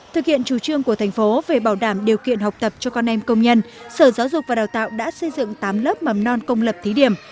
thực hiện chủ trương của thành phố về bảo đảm điều kiện học tập cho con em công nhân sở giáo dục và đào tạo đã xây dựng tám lớp mầm non công lập thí điểm